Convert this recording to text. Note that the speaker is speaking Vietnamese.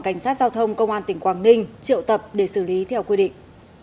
cảnh sát giao thông công an tỉnh quảng ninh triệu tập để xử lý theo quy định